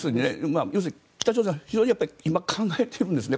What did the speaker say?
要するに北朝鮮は非常に今、考えてるんですね。